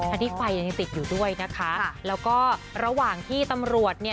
อันนี้ไฟยังยังติดอยู่ด้วยนะคะแล้วก็ระหว่างที่ตำรวจเนี่ย